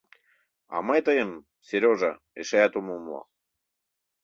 — А мый тыйым, Серёжа, эшеат ом умыло.